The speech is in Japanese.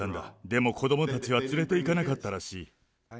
でも子どもたちは連れていかなかったらしい。